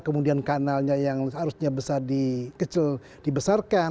kemudian kanalnya yang seharusnya besar dikecil dibesarkan